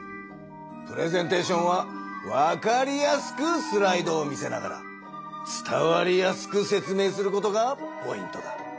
プレゼンテーションはわかりやすくスライドを見せながら伝わりやすく説明することがポイントだ。